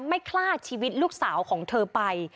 ไม่คลาดชีวิตลูกสาวของเธอไป